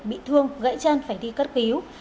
bị thương gãy chân phải thi cất cứu